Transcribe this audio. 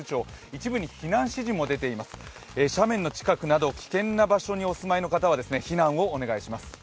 一部に避難指示も出ています、斜面の近くなど危険な場所にお住まいの方はですね、避難をお願いします。